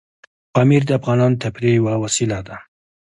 پامیر د افغانانو د تفریح یوه وسیله ده.